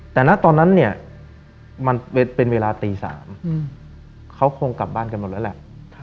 แต่ณตอนนั้นเนี่ยมันเป็นเวลาตี๓เขาคงกลับบ้านกันหมดแล้วแหละ